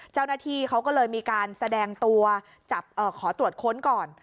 เจ้าหน้าที่เขาก็เลยมีการแสดงตัวจับขอตรวจค้นก่อน